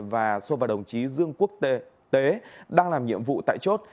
và xô vào đồng chí dương quốc tế đang làm nhiệm vụ tại chốt